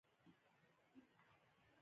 هيله کوم مرسته وکړئ